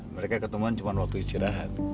mereka ketemuan cuma waktu istirahat